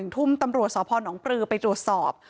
ทุ่มตำรวจสพนปรือไปตรวจสอบ